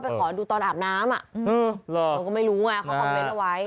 ขอดูตอนอาบน้ำเราก็ไม่รู้ไงเขาคอมเมนต์เอาไว้